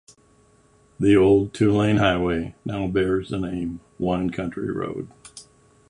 The old two-lane highway now bears the name "Wine Country Road".